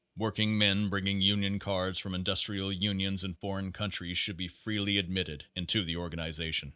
Workingmen bringing union cards from industrial unions in foreign countries should be freely admitted into the organization.